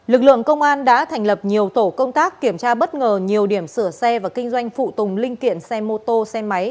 lực lượng công an đã thành lập nhiều tổ công tác kiểm tra bất ngờ nhiều điểm sửa xe và kinh doanh phụ tùng linh kiện xe mô tô xe máy